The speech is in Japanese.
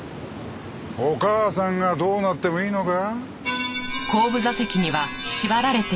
お母さんがどうなってもいいのか？